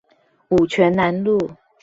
五權南路